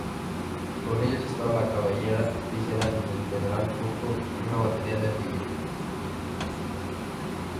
Con ellas estaban la caballería ligera del general Curto y una batería de artillería.